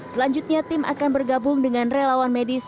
selanjutnya tim akan bergabung dengan relawan medis